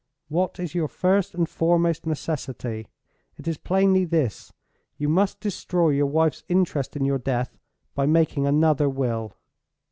What is your first and foremost necessity? It is plainly this. You must destroy your wife's interest in your death by making another will."